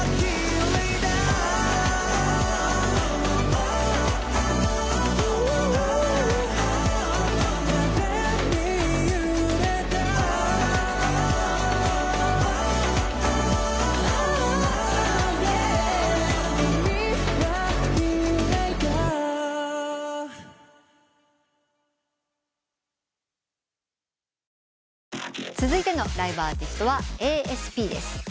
続いてのライブアーティストはＡＳＰです。